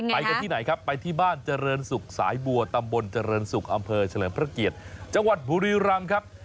ไปกันที่ไหนครับไปที่บ้านเจริญศุกร์สายบัวตำบลเจริญศุกร์อำเภอเฉลิมพระเกียรติจังหวัดบุรีรำครับ